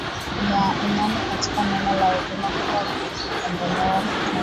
ya imani katika Neno la Uzima kwamba mtu hukombolewa kutoka